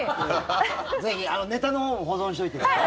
ぜひネタのほうも保存しておいてください。